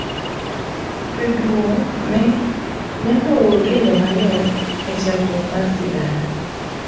Ridruokne nyaka wuog eyo maler echakruok mar sigana.